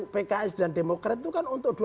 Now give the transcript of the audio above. pks dan demokrat itu kan untuk